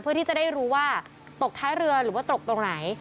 เพื่อที่จะได้รู้ว่าตกท้ายเรือหรือว่าตกตรงไหน